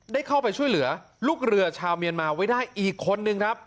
ได้เข้าไปช่วยเหลือลูกเรือชาวเมียนมาไว้ได้อีกคนนึงครับ